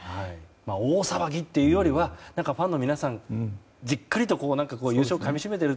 大騒ぎというよりはファンの皆さんじっくりと優勝をかみ締めてる